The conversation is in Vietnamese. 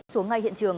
xuống ngay hiện trường